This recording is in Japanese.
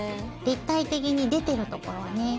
立体的に出てる所はね。